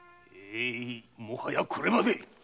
もはやこれまで。